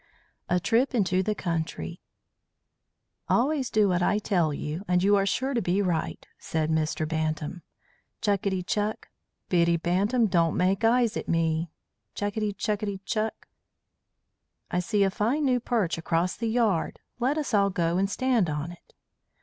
A TRIP INTO THE COUNTRY "Always do what I tell you, and you are sure to be right," said Mr. Bantam. "Chukitty chuk; Biddy Bantam, don't make eyes at me. Chukitty chukitty chuk. I see a fine new perch across the yard. Let us all go and stand on it."